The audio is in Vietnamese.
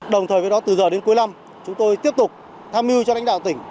đồng thời với đó từ giờ đến cuối năm chúng tôi tiếp tục tham mưu cho lãnh đạo tỉnh